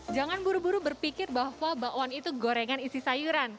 jangan buru buru berpikir bahwa bakwan itu gorengan isi sayuran